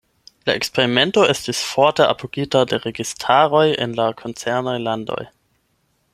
La eksperimento estis forte apogita de registaroj en la koncernaj landoj.